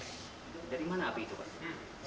dari mana api itu pak